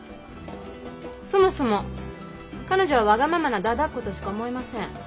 そもそも彼女はわがままなだだっ子としか思えません。